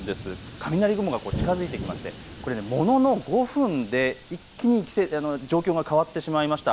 雷雲が近づいてきましてこれ、ものの５分で一気に状況が変わってしまいました。